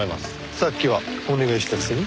さっきはお願いしたくせに。